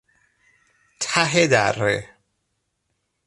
ته دره